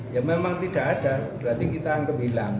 ya memang tidak ada berarti kita anggap hilang